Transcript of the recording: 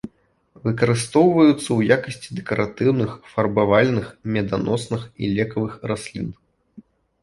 Выкарыстоўваюцца ў якасці дэкаратыўных, фарбавальных, меданосных і лекавых раслін.